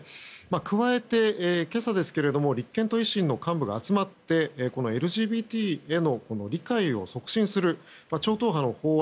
加えて、今朝立憲と維新の幹部が集まってこのＬＧＢＴへの理解を促進する超党派の法案